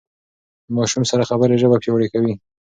د ماشوم سره خبرې ژبه پياوړې کوي.